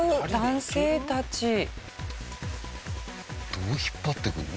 どう引っ張ってくるの？